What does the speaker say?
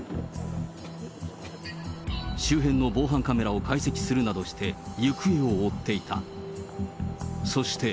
周辺の防犯カメラを解析するなどして行方を追っていた。